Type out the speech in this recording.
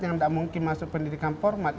yang tidak mungkin masuk pendidikan format